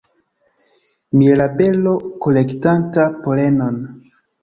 Mielabelo kolektanta polenon.